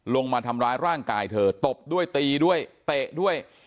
ลงมาทำร้ายร่างกายเธอตบด้วยตีด้วยเตะด้วย